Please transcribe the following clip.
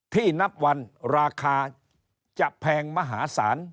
นับวันราคาจะแพงมหาศาล